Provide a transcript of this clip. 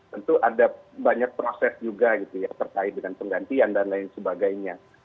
tentu ada banyak proses juga gitu ya terkait dengan penggantian dan lain sebagainya